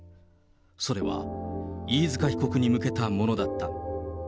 それは、飯塚被告に向けたものだった。